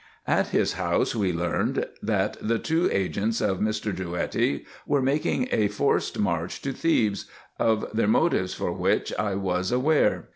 At his house Ave learned, that the two agents of Mr. Drouetti were making a forced march to Thebes, of their motives for which I was aware.